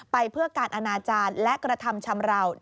ไปเพื่อการอนาจารย์และกระทำชำราว